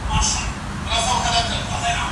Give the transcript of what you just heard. الفا اکتینین درې پروټین د چټکو حرکتونو لپاره مهم دی.